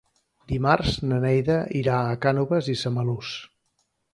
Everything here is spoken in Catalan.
Dimarts na Neida irà a Cànoves i Samalús.